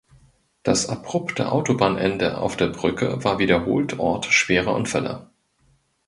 Das abrupte Autobahnende auf der Brücke war wiederholt Ort schwerer Unfälle.